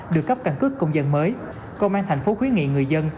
được cấp căn cước công dân mới công an thành phố khuyến nghị người dân